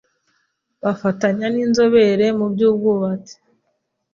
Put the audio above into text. bafatanya n’inzobere mu by’ubwubatsi